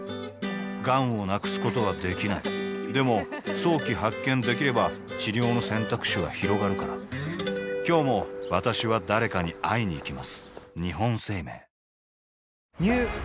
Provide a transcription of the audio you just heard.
がんを無くすことはできないでも早期発見できれば治療の選択肢はひろがるから今日も私は誰かに会いにいきます